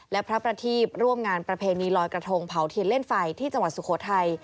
และพระประทีพร่วมงานประเพณีลอยกระทงเผาเทียนเล่นไฟที่จังหวัดสุโขทัย